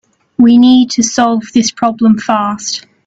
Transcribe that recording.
We need to solve this problem fast.